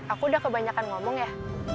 aku udah kebanyakan ngomong ya